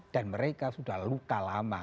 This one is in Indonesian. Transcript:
mereka sudah luka lama